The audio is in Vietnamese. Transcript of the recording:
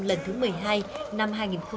lần thứ một mươi hai năm hai nghìn một mươi tám